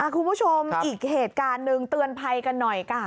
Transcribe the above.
คุณผู้ชมอีกเหตุการณ์หนึ่งเตือนภัยกันหน่อยค่ะ